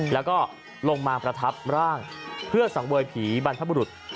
แล้วก็ลงมาประทับร่างเพื่อสังเวยผีบรรพบุรุษ